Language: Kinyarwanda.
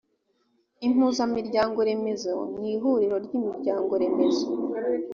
impuzamiryangoremezo ni ihuriro ry imiryangoremezo